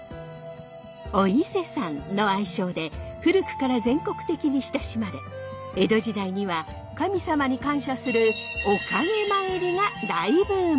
お伊勢さんの愛称で古くから全国的に親しまれ江戸時代には神様に感謝するおかげ参りが大ブームに！